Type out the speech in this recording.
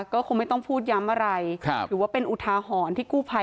ก็คงไม่ต้องพูดย้ำอะไรถือว่าเป็นอุทาหรณ์ที่กู้ภัย